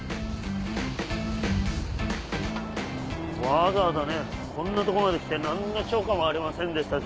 わざわざねこんなとこまで来て「何の釣果もありませんでした」